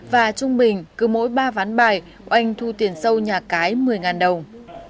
và trung bình cứ mỗi ba ván bài oanh thu tiền sâu nhà cái một mươi đồng